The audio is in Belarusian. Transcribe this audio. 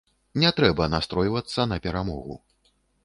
Не трэба настройвацца на перамогу.